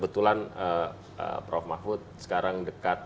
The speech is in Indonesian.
banyak banget keep cari program deschra iniciation